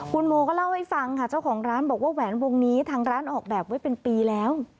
คุณโมก็เล่าให้ฟังค่ะเจ้าของร้านบอกว่าแหวนวงนี้ทางร้านออกแบบไว้เป็นปีแล้ว